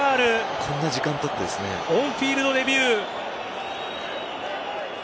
オンフィールドレビュー。